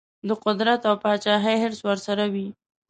د قدرت او پاچهي حرص ورسره وي.